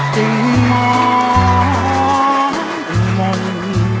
จึงมองมน